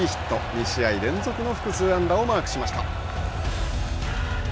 ２試合連続の複数安打をマークしました。